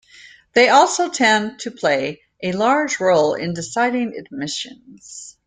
They also tend to play a large role in deciding admissions.